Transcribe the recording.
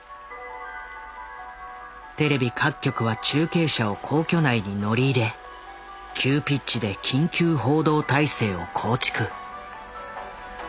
テレビ各局は中継車を皇居内に乗り入れ急ピッチで緊急報道態勢を構築。